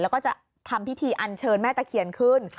แล้วก็จะทำพิธีอันเชิญแม่ตะเคียนขึ้น